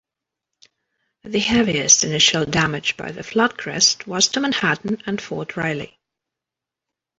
The heaviest initial damage by the flood crest was to Manhattan and Fort Riley.